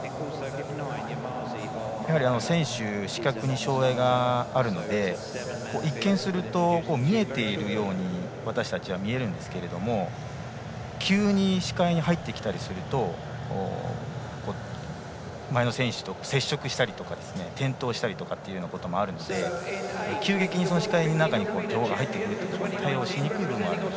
選手は視覚に障がいがあるので一見すると、見えているように私たちは見えるんですが急に視界に入ってきたりすると前の選手と接触したりとか転倒したりというのもあるので急激に視界の中に入ってくると対応しにくい部分もあるので。